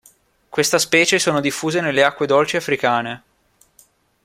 Questa specie sono diffuse nelle acque dolci africane.